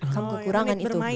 kamu kekurangan itu